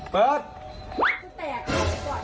ตื่นข้างข้างอ้าย